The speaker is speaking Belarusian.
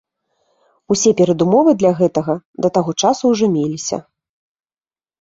Усе перадумовы для гэтага да таго часу ўжо меліся.